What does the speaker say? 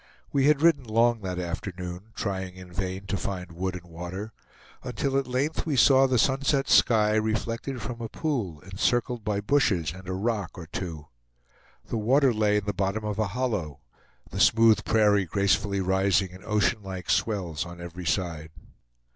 We had ridden long that afternoon, trying in vain to find wood and water, until at length we saw the sunset sky reflected from a pool encircled by bushes and a rock or two. The water lay in the bottom of a hollow, the smooth prairie gracefully rising in oceanlike swells on every side.